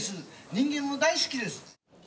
人間も大好きです。